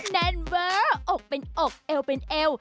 แน่นเว้ออกเป็นอกเอวเป็นเอว